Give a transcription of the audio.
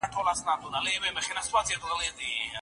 دا کتابونه زما د ژوند یوازینۍ شتمني ده.